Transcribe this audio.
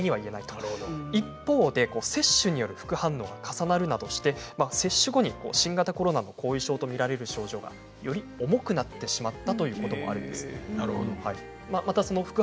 一方で接種による副反応が重なるなどして接種後に新型肺炎の後遺症と見られる症状が重くなったケースもあるそうです。